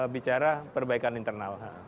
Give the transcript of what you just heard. bicara perbaikan internal